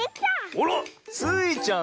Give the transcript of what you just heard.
あら⁉スイちゃん